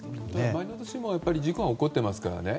前の年も事故が起こっていますからね。